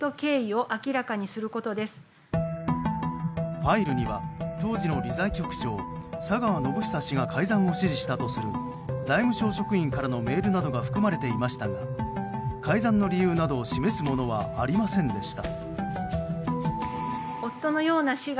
ファイルには、当時の理財局長佐川宣寿氏が改ざんを指示したとする財務省職員からのメールが含まれていましたが改ざんの理由などを示すものはありませんでした。